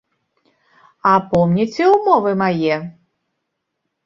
А помніце ўмовы мае?